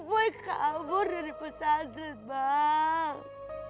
ampuy kabur dari pesantren bang